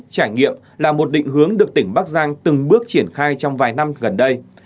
trải nghiệm là một định hướng được tỉnh bắc giang từng bước triển khai trong vài năm gần đây